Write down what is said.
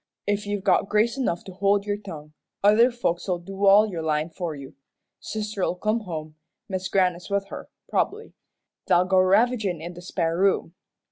"If you've got grace enough to hold your tongue, other folks'll do all your lyin' for you. Sister'll come home, Mis' Grannis with her, prob'bly. They'll go ravagin' in the spare room.